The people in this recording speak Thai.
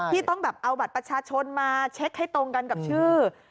ที่ต้องแบบเอาบัตรประชาชนมาเช็คให้ตรงกันกับชื่อ